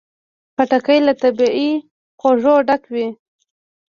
خټکی له طبیعي خوږو ډک وي.